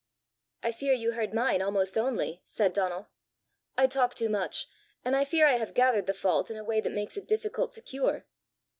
"I fear you heard mine almost only!" said Donal. "I talk too much, and I fear I have gathered the fault in a way that makes it difficult to cure."